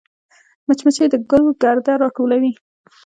مچمچۍ د ګل ګرده راټولوي